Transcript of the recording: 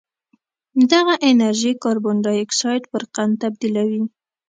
دغه انرژي کاربن ډای اکسایډ پر قند تبدیلوي